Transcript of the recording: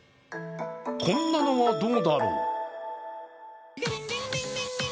こんなのはどうだろう。